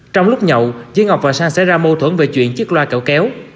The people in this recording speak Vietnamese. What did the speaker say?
trong lúc nhậu dưới ngọc và sang xảy ra mâu thuẫn về chuyện chiếc loa kẹo kéo